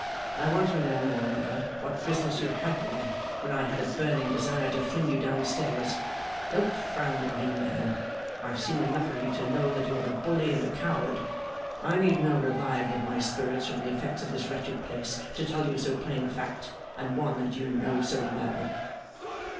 I want to know, moreover, what business you had there when I had a burning desire to fling you down stairs. Don't frown at me, man! I have seen enough of you to know that you are a bully and coward. I need no revival of my spirits from the effects of this wretched place to tell you so plain a fact, and one that you know so well.